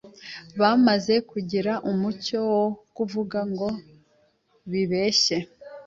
bamaze kugira umuco wo kuvuga ngo bibeshye.